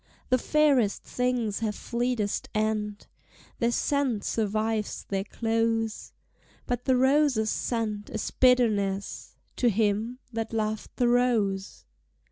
The fairest things have fleetest end: Their scent survives their close, But the rose's scent is bitterness To him that loved the rose!